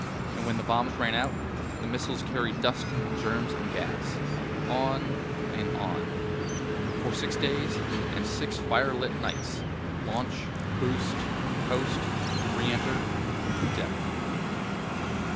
And when the bombs ran out, the missiles carried dust and germs and gas. On and on. For six days and six firelit nights. Launch, boost, coast, re enter, death.